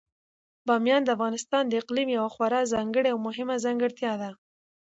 بامیان د افغانستان د اقلیم یوه خورا ځانګړې او مهمه ځانګړتیا ده.